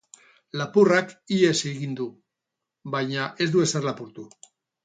Lapurrak ihes egin du, baina ez du ezer lapurtu.